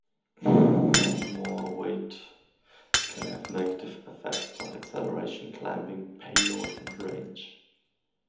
More weight can have negative effects on acceleration, climbing, payload, and range.